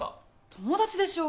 友達でしょ？